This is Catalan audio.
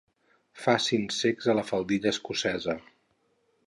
Facin secs a la faldilla escocesa.